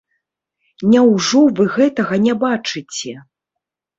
Няўжо вы гэтага не бачыце?